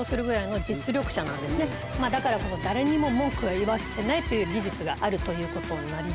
だからこの誰にも文句は言わせないという技術があるということになります。